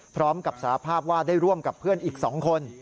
พร้อมกับสารภาพว่าได้ร่วมกับเพื่อนอีก๒คน